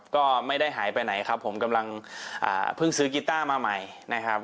ก็ไม่ได้หายไปไหนครับผมกำลังเพิ่งซื้อกีต้ามาใหม่นะครับ